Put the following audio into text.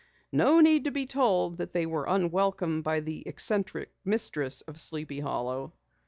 No need to be told that they were unwelcome by the eccentric mistress of Sleepy Hollow.